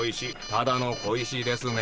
ただの小石ですね？